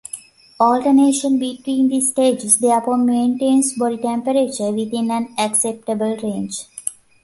Alternation between the stages therefore maintains body temperature within an acceptable range.